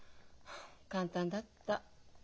簡単だった。